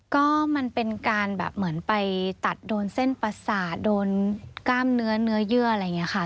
ก็มันเป็นการแบบเหมือนไปตัดโดนเส้นประสาทโดนกล้ามเนื้อเนื้อเยื่ออะไรอย่างนี้ค่ะ